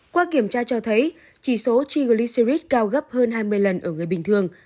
qua kiểm tra cho thấy chỉ số triglycerides cao gấp hơn hai mươi lần ở người bình thường